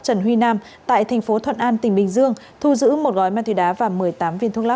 trần huy nam tại thành phố thuận an tỉnh bình dương thu giữ một gói ma túy đá và một mươi tám viên thuốc lắc